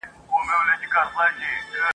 ملنګه ! د کوم دشت هوا پرهر لره دوا ده !.